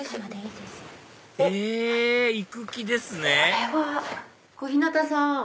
え行く気ですね小日向さん。